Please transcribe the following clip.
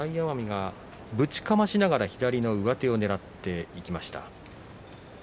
大奄美、ぶちかましながら上手をねらっていきました。